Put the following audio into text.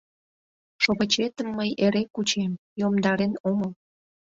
Шовычетым мый эре кучем, йомдарен омыл.